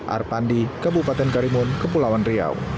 arpandi kabupaten karimun kepulauan riau